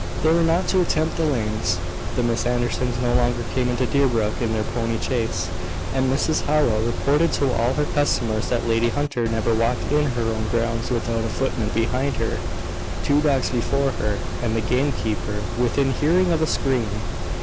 They were not to attempt the lanes. The Miss Andersons no longer came into Deerbrook in their pony chaise; and Mrs Howell reported to all her customers that Lady Hunter never walked in her own grounds without a footman behind her, two dogs before her, and the game keeper within hearing of a scream.